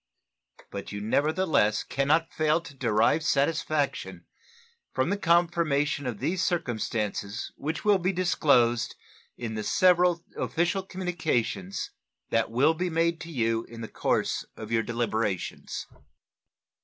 But you nevertheless can not fail to derive satisfaction from the confirmation of these circumstances which will be disclosed in the several official communications that will be made to you in the course of your deliberations.